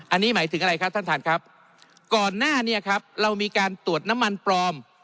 อันนี้หมายถึงอะไรครับท่านท่านครับก่อนหน้านี้ครับเรามีการตรวจน้ำมันปลอม